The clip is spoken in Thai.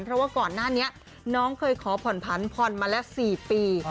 เพราะว่าก่อนหน้านี้น้องเคยขอผ่อนผันผ่อนมาแล้ว๔ปี